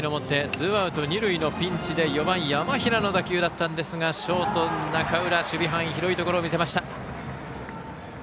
ツーアウト二塁のピンチで４番、山平の打球だったんですがショートの中浦、守備範囲広いところを見せました。